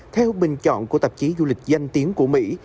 theo bình chọn của tạp chí du lịch danh tiếng của mỹ